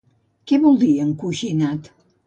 Què vol dir encoixinat?